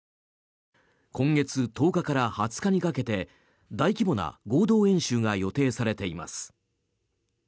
今月１０日から２０日にかけて大規模な合同演習が予定されています。